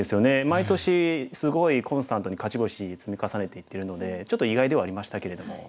毎年すごいコンスタントに勝ち星積み重ねていってるのでちょっと意外ではありましたけれども。